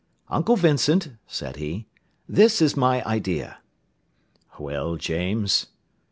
"Uncle Vincent," said he, "this is my idea." "Well, James?"